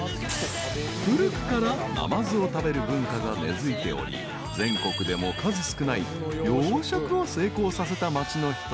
［古くからなまずを食べる文化が根付いており全国でも数少ない養殖を成功させた町の一つ］